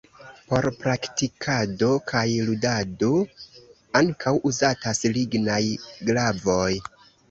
Por praktikado kaj ludado ankaŭ uzatas lignaj glavoj.